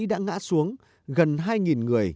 đã ngã xuống gần hai người